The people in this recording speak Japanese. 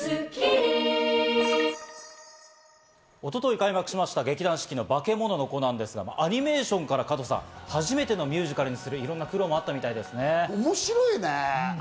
一昨日開幕した劇団四季の『バケモノの子』ですが、アニメーションから初めてのミュージカルにするのに、いろんな苦労があったみたいです面白いね。